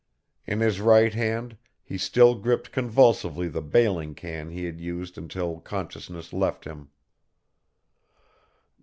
In his right hand he still gripped convulsively the bailing can he had used until consciousness left him.